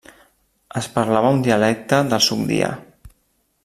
Es parlava un dialecte del sogdià.